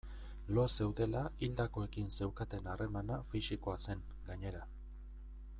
Lo zeudela hildakoekin zeukaten harremana fisikoa zen, gainera.